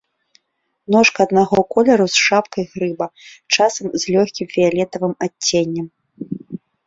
Ножка аднаго колеру з шапкай грыба, часам з лёгкім фіялетавым адценнем.